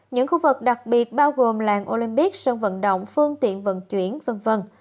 những khu vực đặc biệt bao gồm làng olympic sân vận động phương tiện vận chuyển v v